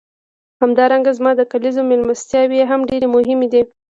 همدارنګه زما د کلیزو میلمستیاوې هم ډېرې مهمې دي.